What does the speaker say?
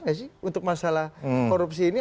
nggak sih untuk masalah korupsi ini